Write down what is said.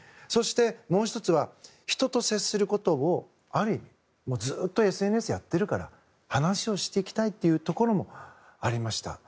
そして、もう１つは人と接することをある意味ずっとＳＮＳやってるから話をしていきたいというところもありました。